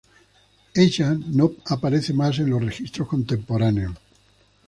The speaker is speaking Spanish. Ella no aparece más en los registros contemporáneos.